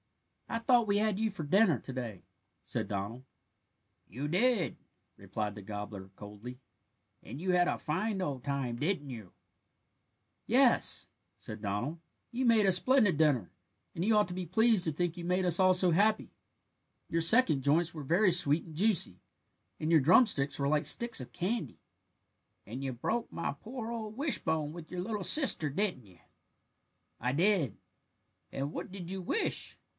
"I thought we had you for dinner to day," said Donald. "You did," replied the gobbler coldly, "and you had a fine old time, didn't you?" "Yes," said Donald, "you made a splendid dinner, and you ought to be pleased to think you made us all so happy. Your second joints were very sweet and juicy, and your drumsticks were like sticks of candy." "And you broke my poor old wishbone with your little sister, didn't you?" "I did." "And what did you wish?"